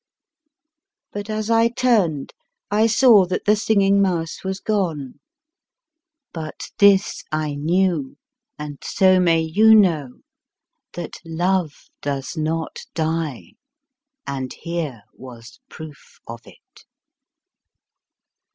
But as I turned, I saw that the Singing Mouse was gone. But this I knew, and so may you know: that love does not die; and here was proof of it.